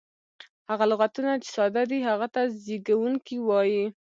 هغه لغتونه، چي ساده دي هغه ته زېږوونکی وایي.